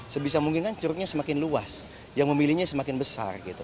sebisa mungkin kan curugnya semakin luas yang memilihnya semakin besar gitu